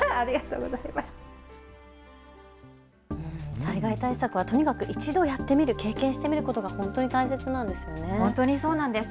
災害対策はとにかく一度やってみる、経験してみることが大切なんですね。